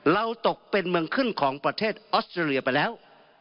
เราตกเป็นเมืองขึ้นของประเทศออสเตรเลียไปแล้ว